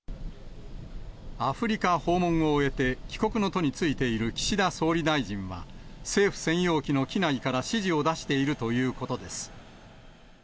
アフリカ訪問を終えて、帰国の途に就いている岸田総理大臣は、政府専用機の機内から指示を出しているということです。